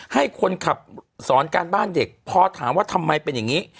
ให้คนขับสอนการบ้านเด็กพอถามว่าทำไมเป็นอย่างนี้